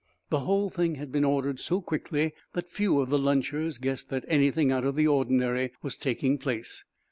The whole thing had been, ordered so quickly that few of the lunchers guessed that anything out of the ordinary was taking place.